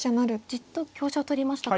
じっと香車を取りました。